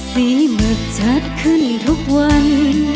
สีเหมือนจัดขึ้นทุกวัน